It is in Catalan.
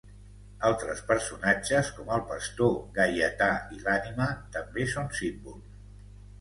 Altres personatges com el pastor, Gaietà, i l'Ànima també són símbols.